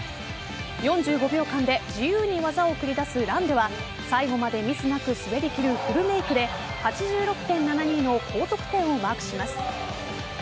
４５秒間で自由に技を繰り出すランでは最後までミスなく滑りきるフルメイクで８６．７２の高得点をマークします。